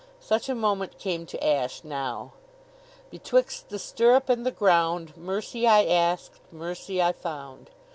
Such a moment came to Ashe now. Betwixt the stirrup and the ground, Mercy I asked; mercy I found.